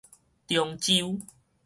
中洲